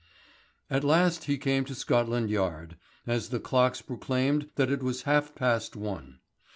At last he came to Scotland Yard, as the clocks proclaimed that it was half past one.